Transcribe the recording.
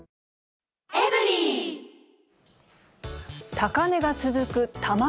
高値が続く卵。